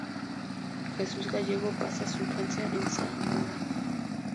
Jesús Gallego pasa su infancia en Zamora.